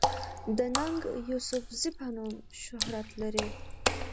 د “ ننګ يوسفزۍ” پۀ نوم شهرت لري